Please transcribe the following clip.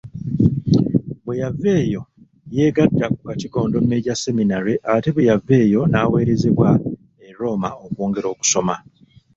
Bweyaveeyo yeegatta ku Katigondo Major Seminary ate bweyava eyo naweerezebwa e Roma okwongera okusoma.